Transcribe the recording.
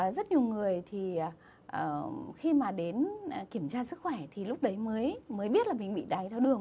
rất nhiều người thì khi mà đến kiểm tra sức khỏe thì lúc đấy mới biết là mình bị đáy tháo đường